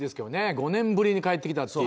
５年ぶりに帰ってきたという。